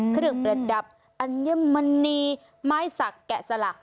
เครื่องประดับอัญมณีไม้สักแกะสลัก